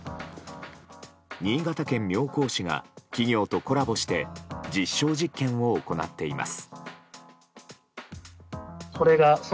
新潟県妙高市が企業とコラボして実証実験を行っています。